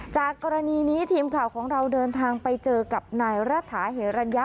จากกรณีนี้ทีมข่าวของเราเดินทางไปเจอกับนายรัฐาเหรัญญะ